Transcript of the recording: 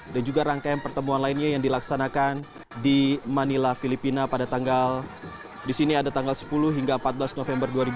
dan juga amerika dan juga tiongkok